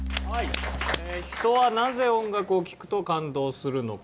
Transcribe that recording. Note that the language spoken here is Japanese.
人はなぜ音楽を聴くと感動するのか？